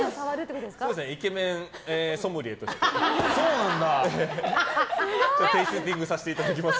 イケメンソムリエとしてテイスティングさせていただきます。